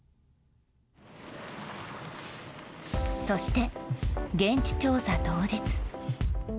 そして、現地調査当日。